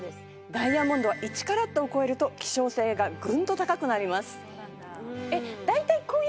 ダイヤモンドは１カラットを超えると希少性がグンと高くなります。